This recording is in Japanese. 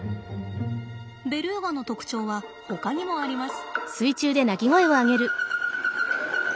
ベルーガの特徴はほかにもあります。